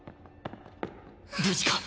無事か？